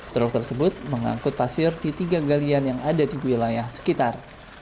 truk tersebut mengangkut pasir di tiga galian yang ada di wilayah sekitar